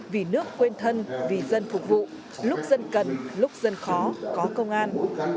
vì nước quên thân vì dân phục vụ lúc dân cần lúc dân khó có công an